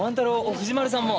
藤丸さんも！